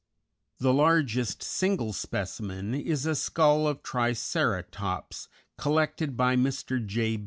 The largest single specimen is a skull of Triceratops, collected by Mr. J.